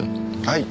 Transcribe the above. はい。